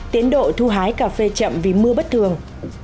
tiến độ thu hái cà phê chậm vì mưa bất thường